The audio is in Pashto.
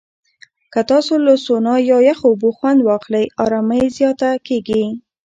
که تاسو له سونا یا یخو اوبو خوند واخلئ، آرامۍ زیاته کېږي.